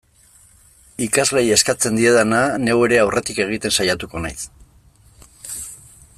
Ikasleei eskatzen diedana, neu ere aurretik egiten saiatuko naiz.